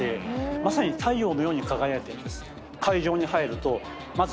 まさに太陽のように輝いてるんです。